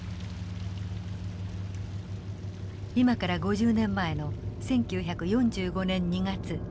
今から５０年前の１９４５年２月。